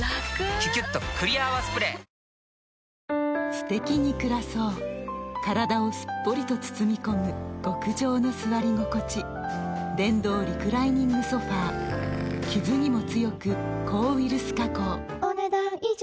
すてきに暮らそう体をすっぽりと包み込む極上の座り心地電動リクライニングソファ傷にも強く抗ウイルス加工お、ねだん以上。